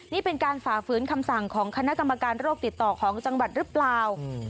นี่เป็นการฝ่าฝืนคำสั่งของคณะกรรมการโรคติดต่อของจังหวัดหรือเปล่า